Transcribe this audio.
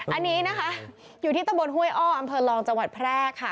อันนี้นะคะอยู่ที่ตะบนห้วยอ้ออำเภอรองจังหวัดแพร่ค่ะ